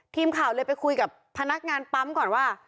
ทีมข่าวเลยไปคุยกับพนักงานปั๊มก่อนว่า